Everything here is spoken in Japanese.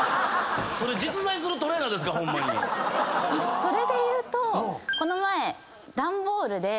それでいうとこの前。